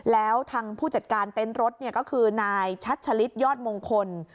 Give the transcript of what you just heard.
แล้วทางผู้จัดการเต็นต์รถก็คือนายชัชลิดยอดมงคล